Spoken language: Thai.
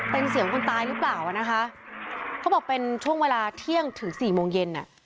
เป็นเสียงคนตายหรือเปล่าอ่ะนะคะเขาบอกเป็นช่วงเวลาเที่ยงถึงสี่โมงเย็นอ่ะ